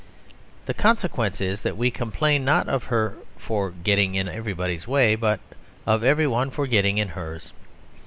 The consequence is that we complain not of her for getting in everyone's way, but of everyone for getting in hers.